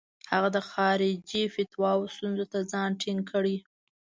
هغه د خارجي فتوحاتو ستونزو ته ځان ټینګ کړي.